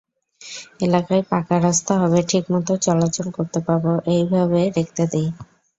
এলাকায় পাকা রাস্তা হবে, ঠিকমতো চলাচল করতে পারব—এই ভেবে রাখতে দিই।